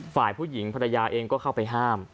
ฝ่ายผู้หญิงภรรยาเองก็เข้าไปห้าม